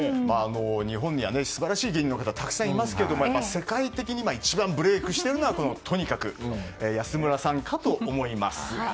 日本には素晴らしい芸人の方がたくさんいますけども世界的に今一番ブレークしているのはＴＯＮＩＫＡＫＵ安村さんかと思います。